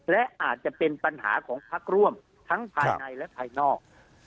และอาจจะเป็นปัญหาของพักร่วมทั้งภายในและภายนอก